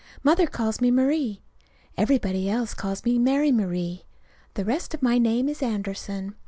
Mother calls me Marie. Everybody else calls me Mary Marie. The rest of my name is Anderson.